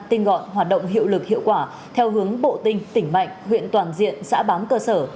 tinh gọn hoạt động hiệu lực hiệu quả theo hướng bộ tinh tỉnh mạnh huyện toàn diện xã bám cơ sở